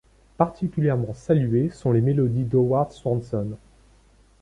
Particulièrement saluées sont les mélodies d'Howard Swanson.